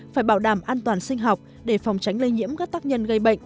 phải bảo đảm an toàn sinh học để phòng tránh lây nhiễm các tác nhân gây bệnh